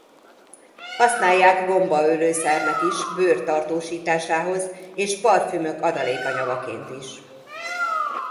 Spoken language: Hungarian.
Használják gombaölő szernek is bőr tartósításához és parfümök adalékanyagaként is.